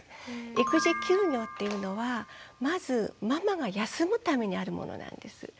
育児休業っていうのはまずママが休むためにあるものなんです。